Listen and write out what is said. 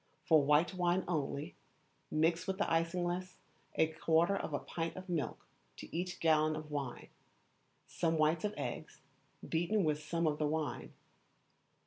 For white wine only, mix with the isinglass a quarter of a pint of milk to each gallon of wine, some whites of eggs, beaten with some of the wine.